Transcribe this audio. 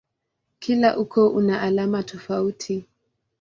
Kila ukoo una alama tofauti.